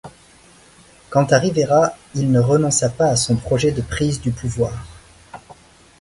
Quant à Rivera, il ne renonça pas à son projet de prise du pouvoir.